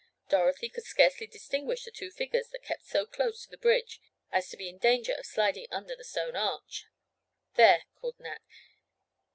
Dorothy could scarcely distinguish the two figures that kept so close to the bridge as to be in danger of sliding under the stone arch. "There," called Nat.